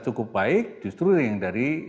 cukup baik justru yang dari